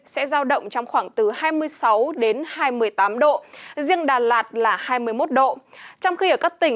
sẽ giao động trong khoảng từ hai mươi sáu hai mươi tám độ riêng đà lạt là hai mươi một độ